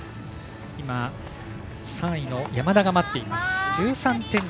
今、３位の山田が待っています。１３．２３３。